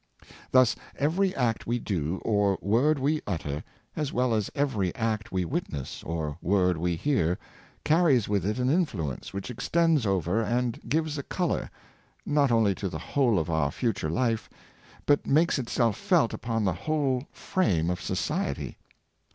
Thus, every act we do or word we utter, as well as every act we witness or word we hear, carries with it 590 Importance of Good Example, an iiTfluence which extends over, and gives a color, not only to the whole of our future life, but makes itself felt upon the whole frame of society.